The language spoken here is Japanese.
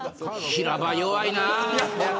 平場弱いな。